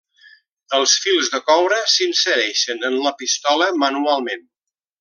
Els fils de coure s'insereixen en la pistola manualment.